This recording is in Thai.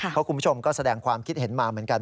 เพราะคุณผู้ชมก็แสดงความคิดเห็นมาเหมือนกัน